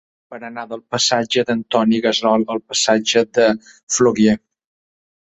Com es fa per anar del passatge d'Antoni Gassol al passatge de Flaugier?